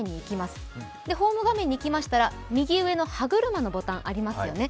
ホーム画面にいきましたら、右上の歯車のボタンありますよね。